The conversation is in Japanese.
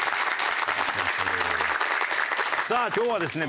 さあ今日はですね